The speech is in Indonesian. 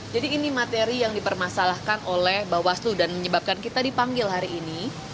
jadi ini materi yang dipermasalahkan oleh bawaslu dan menyebabkan kita dipanggil hari ini